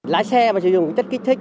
lái xe mà sử dụng chất kích thích